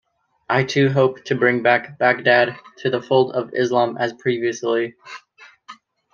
I too hope to bring back Baghdad to the fold of Islam as previously.